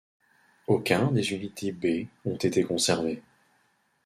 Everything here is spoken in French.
Aucun des unités B ont été conservés.